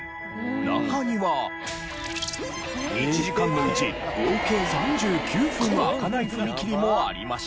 中には１時間のうち合計３９分は開かない踏切もありました。